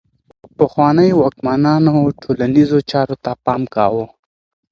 پخوانيو واکمنانو ټولنيزو چارو ته پام کاوه.